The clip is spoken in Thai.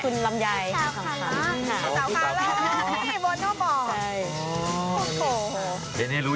คุณแม่ชอบเพื่อชีวิต